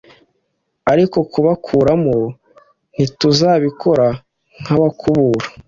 ariko kubakuramo ntituzabikora nk’abakubura